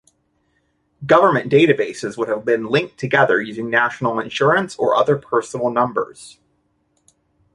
Government databases would have been linked together using National Insurance or other personal numbers.